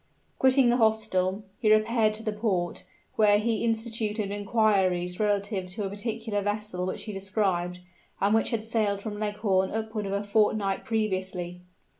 Quitting the hostel, he repaired to the port, where he instituted inquiries relative to a particular vessel which he described, and which had sailed from Leghorn upward of a fortnight previously.